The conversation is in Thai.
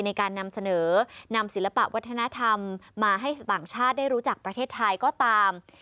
ในการนำเสนอนำศิลปะวัฒนธรรมมาให้ต่างชาติได้รู้จักประเทศไทยก็ตาม